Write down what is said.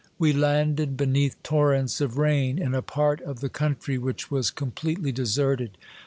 We landed beneath torrents of rain, in a part of the country which was completely deserted.